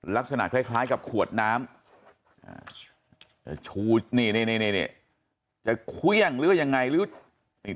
ลักษณะคล้ายกับขวดน้ำชูนี่จะเควี้ยงหรือยังไง